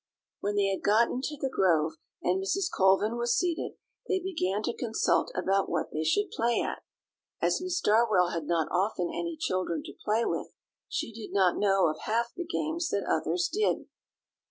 '" When they had got into the grove, and Mrs. Colvin was seated, they began to consult about what they should play at. As Miss Darwell had not often any children to play with, she did not know of half the games that others did.